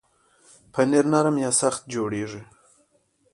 پنېر نرم یا سخت جوړېږي.